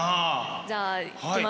じゃあいきますよ。